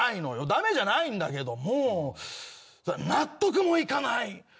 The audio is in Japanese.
駄目じゃないんだけども納得もいかない。